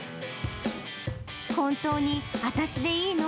本当にあたしでいいの？